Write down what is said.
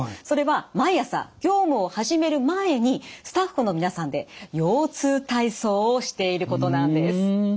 それは毎朝業務を始める前にスタッフの皆さんで腰痛体操をしていることなんです。